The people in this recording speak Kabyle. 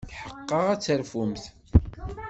Tḥeqqeɣ ad terfumt.